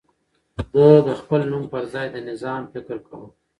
ده د خپل نوم پر ځای د نظام فکر کاوه.